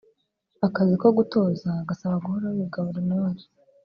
Akazi ko gutoza gasaba guhora wiga buri munsi